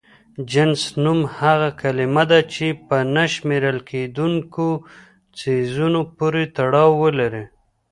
جنس نوم هغه کلمه ده چې په نه شمېرل کيدونکو څيزونو پورې تړاو ولري.